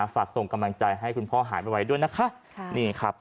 ฝากส่งกำลังใจให้คุณพ่อหายไปไว้ด้วยนะคะ